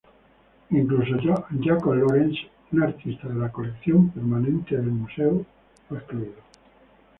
Incluso Jacob Lawrence, un artista de la colección permanente del museo, fue excluido.